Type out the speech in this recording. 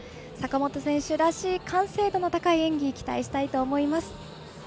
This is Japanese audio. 坂本選手らしい完成度の高い演技を期待したいと思います。